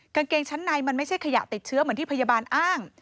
กางเกงชั้นในมันไม่ใช่ขยะติดเชื้อเหมือนที่พยาบาลอ้าง